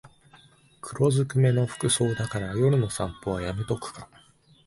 黒ずくめの服装だから夜の散歩はやめとくか